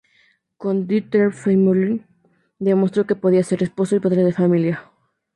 Con "Die Trapp-Familie", demostró que podía ser esposo y padre de familia.